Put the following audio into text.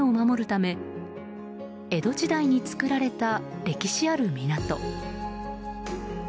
ため江戸時代に作られた歴史ある港。